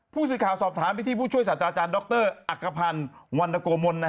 ผู้สื่อข่าวสอบถามไปที่ผู้ช่วยศาสตราจารย์ดรอักภัณฑ์วันนโกมล